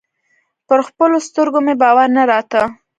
پر خپلو سترګو مې باور نه راته.